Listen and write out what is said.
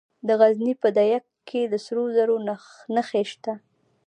د غزني په ده یک کې د سرو زرو نښې شته.